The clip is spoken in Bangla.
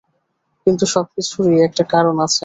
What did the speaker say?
কিন্তু সবকিছুর একটা কারণ আছে।